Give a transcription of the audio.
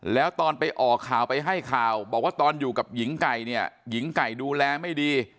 แล้วตอนไปออกข่าวไปให้ข่าวบอกว่าตอนอยู่กับหญิงไก่เนี่ยหญิงไก่ดูแลไม่ดี